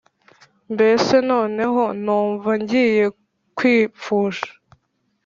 mbese noneho numva ngiye kwipfusha